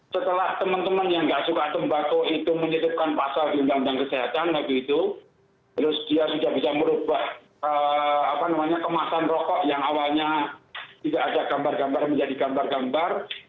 setelah teman teman yang tidak suka tembakau itu menitipkan pasal di undang undang kesehatan waktu itu terus dia sudah bisa merubah kemasan rokok yang awalnya tidak ada gambar gambar menjadi gambar gambar